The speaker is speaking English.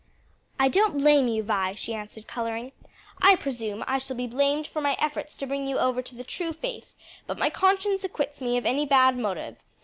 "I don't blame you, Vi," she answered coloring. "I presume I shall be blamed for my efforts to bring you over to the true faith, but my conscience acquits me of any bad motive.